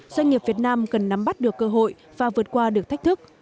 doanh nghiệp việt nam cần nắm bắt được cơ hội và vượt qua được thách thức